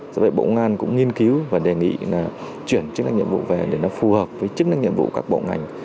do vậy bộ ngoan cũng nghiên cứu và đề nghị là chuyển chức năng nhiệm vụ về để nó phù hợp với chức năng nhiệm vụ các bộ ngành